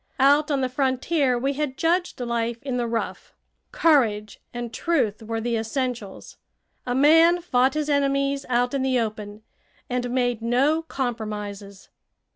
Out on the frontier we had judged life in the rough. Courage and truth were the essentials. A man fought his enemies out in the open, and made no compromises.